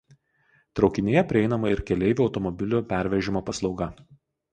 Traukinyje prieinama ir keleivių automobilių pervežimo paslauga.